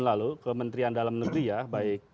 lalu kementerian dalam negeri ya baik